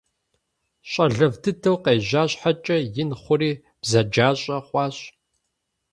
Щӏалэфӏ дыдэу къежьа щхьэкӏэ, ин хъури бзаджащӏэ хъуащ.